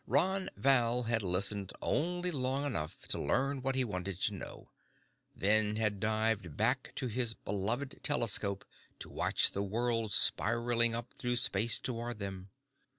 Ron Val had listened only long enough to learn what he wanted to know, then had dived back to his beloved telescope to watch the world spiraling up through space toward them.